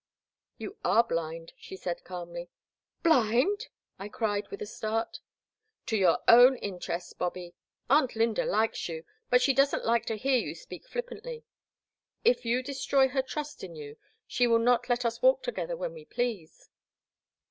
*'You are blind, she said, calmly. " BUnd ?*' I cried with a start. ^To your own interests, Bobby. Aunt Lynda likes you, but she doesn't like to hear you speak flippantly. If you destroy her trust in you, she will not let us walk together when we please.